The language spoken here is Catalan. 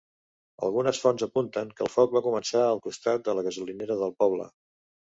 Algunes fonts apunten que el foc va començar al costat de la gasolinera del poble.